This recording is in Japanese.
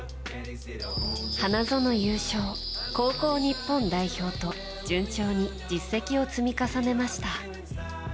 花園優勝、高校日本代表と順調に実績を積み重ねました。